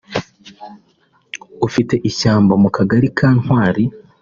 ufite ishyamba mu kagari ka Ntwali